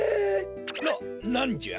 ななんじゃ？